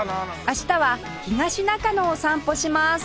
明日は東中野を散歩します